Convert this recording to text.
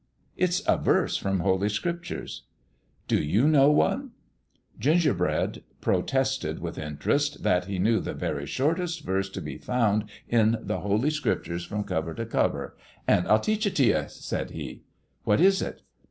" It's a verse from Holy Scriptures." " Do you know one ?" Gingerbread protested with interest that he knew the very shortest verse to be found in the Holy Scriptures from cover to cover. " An' I'll teach it t' you," said he. "What is it?"